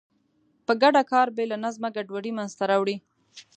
په ګډه کار بې له نظمه ګډوډي منځته راوړي.